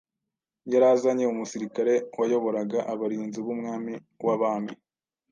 yari azanye umusirikare wayoboraga abarinzi b’umwami w’abami.